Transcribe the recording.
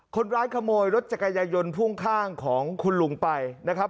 คนร้ายขโมยรถจักรยายนพ่วงข้างของคุณลุงไปนะครับ